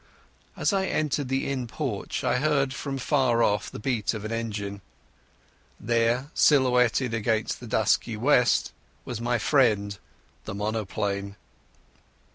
As I entered the inn porch I heard from far off the beat of an engine. There silhouetted against the dusky West was my friend, the monoplane.